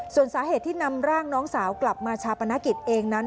ส่วนสาเหตุที่นำร่างน้องสาวกลับมาชาปนกิจเองนั้น